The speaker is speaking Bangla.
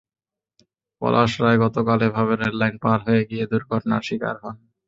পলাশ রায় গতকাল এভাবে রেললাইন পার হতে গিয়ে দুর্ঘটনার শিকার হন।